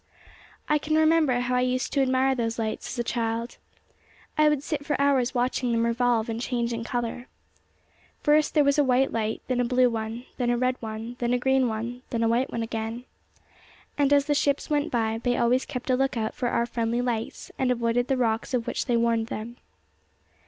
I can remember how I used to admire those lights as a child. I would sit for hours watching them revolve and change in colour. First, there was a white light, then a blue one, then a red one, then a green one then a white one again. And, as the ships went by, they always kept a look out for our friendly lights, and avoided the rocks of which they warned them.